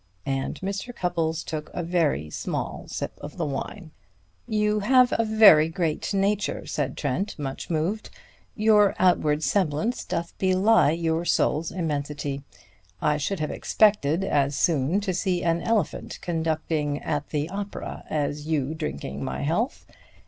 And Mr. Cupples took a very small sip of the wine. "You have a great nature," said Trent, much moved. "Your outward semblance doth belie your soul's immensity. I should have expected as soon to see an elephant conducting at the opera as you drinking my health.